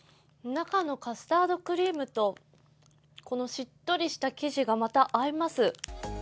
中のカスタードクリームとしっとりした生地がまた合います。